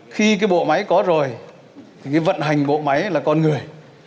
khi cái bộ máy có rồi thì cái vận hành bộ máy là con người